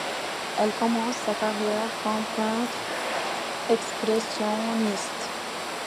Elle commence sa carrière comme peintre expressionniste.